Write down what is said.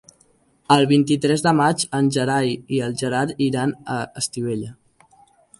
El vint-i-tres de maig en Gerai i en Gerard iran a Estivella.